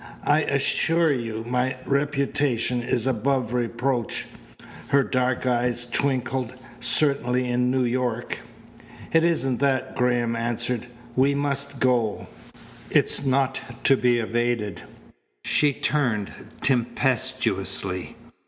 I assure you my reputation is above reproach" her dark eyes twinkled "certainly in New York." "It isn't that," Graham answered. "We must go. It's not to be evaded." She turned tempestuously.